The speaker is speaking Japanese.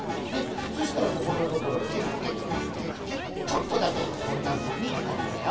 そしたらここのところはキュッキュッキュッキュッとちょっとだけこんなふうにおるんだよ。